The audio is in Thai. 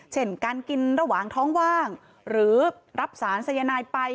เช่นการกินระหว่างท้องว่างหรือรับสารสายนายไป